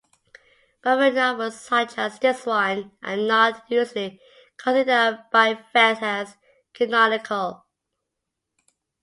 Buffy novels such as this one are not usually considered by fans as canonical.